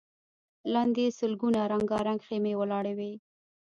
لاندې سلګونه رنګارنګ خيمې ولاړې وې.